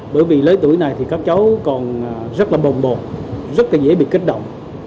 bởi vì lứa tuổi này thì các cháu còn rất là bồng bột rất là dễ bị kích động